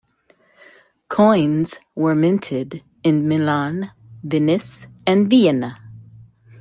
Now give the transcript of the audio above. Coins were minted in Milan, Venice and Vienna.